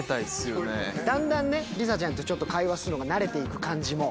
だんだんりさちゃんと会話するのが慣れて行く感じも。